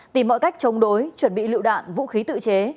tìm mọi cách chống đối chuẩn bị lựu đạn vũ khí tự chế